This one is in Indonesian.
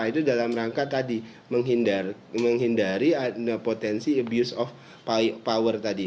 itu dalam rangka tadi menghindari potensi abuse of power tadi